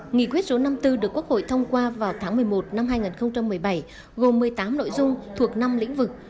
nghị quyết số năm mươi bốn được quốc hội thông qua vào tháng một mươi một năm hai nghìn một mươi bảy gồm một mươi tám nội dung thuộc năm lĩnh vực